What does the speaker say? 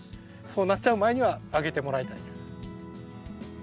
そうなっちゃう前にはあげてもらいたいです。